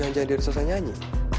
jangan jangan dia resursa nyanyi